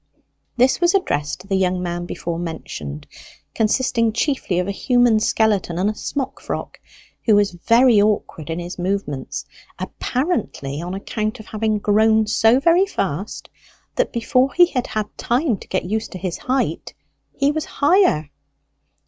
This was addressed to the young man before mentioned, consisting chiefly of a human skeleton and a smock frock, who was very awkward in his movements, apparently on account of having grown so very fast that before he had had time to get used to his height he was higher.